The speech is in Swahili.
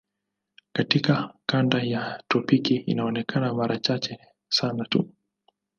Katika kanda ya tropiki inaonekana mara chache sana tu.